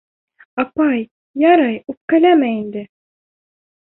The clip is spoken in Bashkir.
— Апай, ярай, үпкәләмә инде!